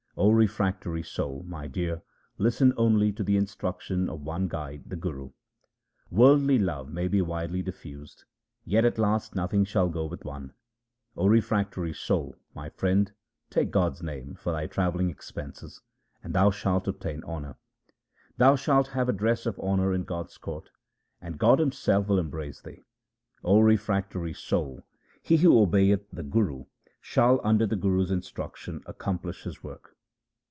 O refractory soul, my dear, listen only to the instruction of one guide the Guru — Worldly love may be widely diffused, yet at last nothing shall go with one — O refractory soul, my friend, take God's name for thy travelling expenses, and thou shalt obtain honour. Thou shalt have a dress of honour in God's court, and God Himself will embrace thee — O refractory soul, he who obeyeth the Guru shall under the Guru's instruction accomplish his work.